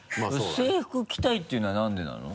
制服着たいっていうのはなんでなの？